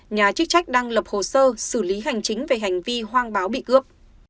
nhà chức trách đang lập hồ sơ xử lý hành chính về hành vi hoang báo bị cướp